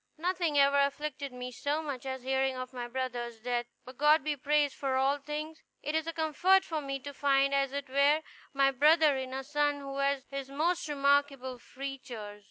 Nothing ever afflicted me so much as hearing of my brother's death. But God be praised for all things! It is a comfort for me to find, as it were, my brother in a son who has his most remarkable features."